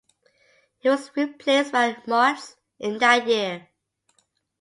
He was replaced by Mojs in that year.